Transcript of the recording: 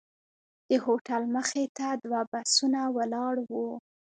د هوټل مخې ته دوه بسونه ولاړ وو.